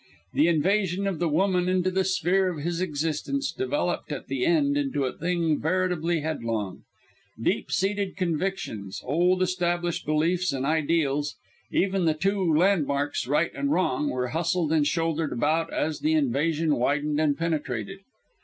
The invasion of the woman into the sphere of his existence developed at the end into a thing veritably headlong. Deep seated convictions, old established beliefs and ideals, even the two landmarks right and wrong, were hustled and shouldered about as the invasion widened and penetrated.